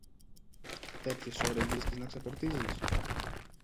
Τέτοιες ώρες βρίσκεις να ξεπορτίζεις;